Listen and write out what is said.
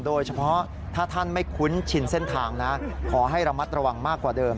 โดยเฉพาะถ้าท่านไม่คุ้นชินเส้นทางนะขอให้ระมัดระวังมากกว่าเดิม